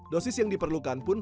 dosis yang diperlukan pun